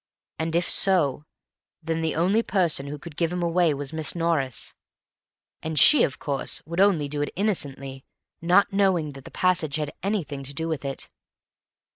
And if so, then the only person who could give him away was Miss Norris. And she of course would only do it innocently—not knowing that the passage had anything to do with it."